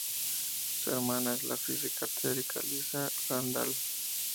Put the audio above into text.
Su hermana es la física teórica Lisa Randall.